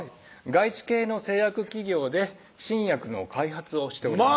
外資系の製薬企業で新薬の開発をしております